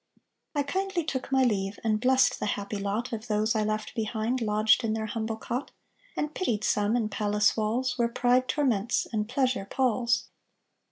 I kindly took my leave, And blessed the happy lot Of those I left behind Lodged in their humble cot; And pitied some In palace walls, Where pride torments, And pleasure palls.